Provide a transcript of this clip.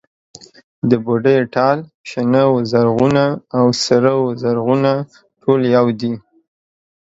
د بوډۍ ټال، شنه و زرغونه او سره و زرغونه ټول يو دي.